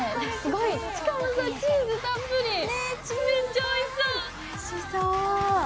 しかもチーズたっぷり、めっちゃおいしそう。